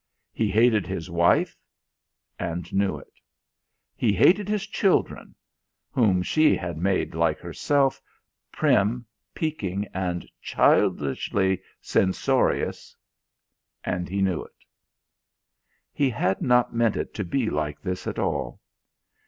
He hated his wife, and knew it. He hated his children whom she had made like herself, prim, peeking and childishly censorious and knew it. He had not meant it to be like this at all.